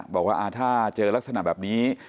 บอกว่าถ้าเจอลักษณะแบบนี้